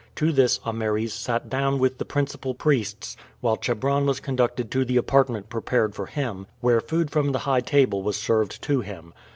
To this Ameres sat down with the principal priests, while Chebron was conducted to the apartment prepared for him, where food from the high table was served to him.